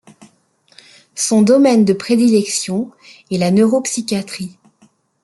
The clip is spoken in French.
Son domaine de prédilection est la neuropsychiatrie.